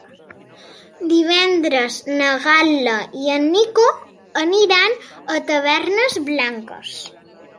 Divendres na Gal·la i en Nico aniran a Tavernes Blanques.